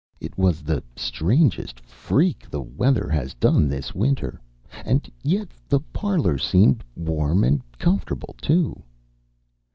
It was the strangest freak the weather has done this winter. And yet the parlor seemed warm and comfortable, too.